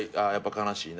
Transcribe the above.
「悲しいな」